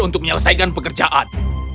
untuk menyelesaikan pekerjaan